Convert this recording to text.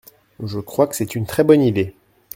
Je crois que c’est une très bonne idée !